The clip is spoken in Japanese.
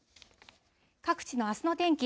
各地のあすの天気。